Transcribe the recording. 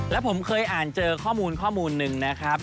แล้วผมเคยอ่านเจอข้อมูลข้อมูลหนึ่งนะครับ